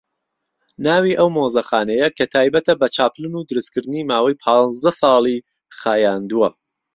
ناوی ئەو مۆزەخانەیە کە تایبەتە بە چاپلن و دروستکردنی ماوەی پازدە ساڵی خایاندووە